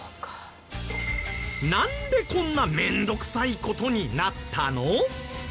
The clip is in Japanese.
なんでこんな面倒くさい事になったの？